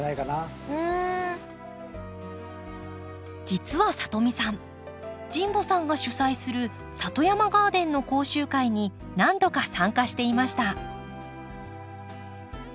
実はさとみさん神保さんが主宰する里山ガーデンの講習会に何度か参加していました。